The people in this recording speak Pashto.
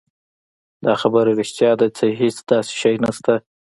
دا خبره رښتيا ده چې هېڅ داسې شی نشته.